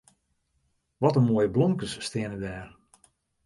Wat in moaie blomkes steane dêr.